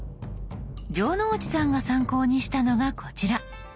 城之内さんが参考にしたのがこちら。